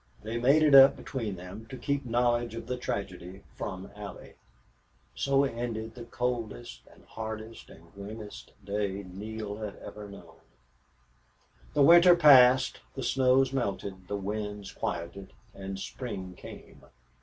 They made it up between them to keep knowledge of the tragedy from Allie. So ended the coldest and hardest and grimmest day Neale had ever known. The winter passed, the snows melted, the winds quieted, and spring came.